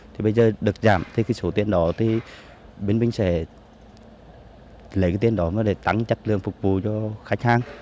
thì bây giờ được giảm thì số tiền đó thì bên mình sẽ lấy cái tiền đó để tăng chất lượng phục vụ cho khách hàng